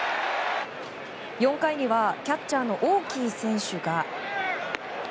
４回にはキャッチャーのオーキー選手が。